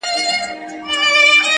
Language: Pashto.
د ورځو په رڼا کي خو نصیب نه وو منلي٫